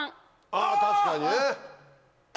あ確かにね。